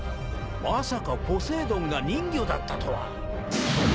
まさかポセイドンが人魚だったとは